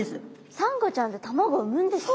サンゴちゃんって卵産むんですか？